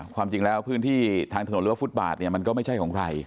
ความจริงแล้วพื้นที่ทางถนนหรือว่าฟุตบาทเนี่ยมันก็ไม่ใช่ของใคร